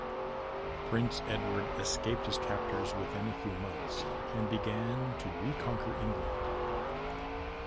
Prince Edward escaped his captors within a few months, and began to re-conquer England.